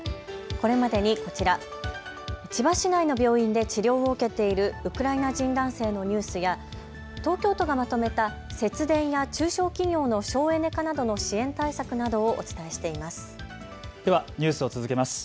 これまでにこちら、千葉市内の病院で治療を受けているウクライナ人男性のニュースや東京都がまとめた節電や中小企業の省エネ化などの支援対策などをお伝えしています。